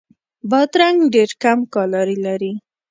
بادرنګ ډېر کم کالوري لري.